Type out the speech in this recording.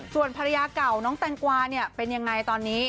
ส่วนภรรยาเก่าน้องแตงกวาเนี่ยเป็นยังไงตอนนี้